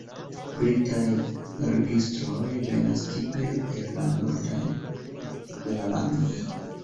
Britaj registroj venas tipe el la nordaj partoj de la lando.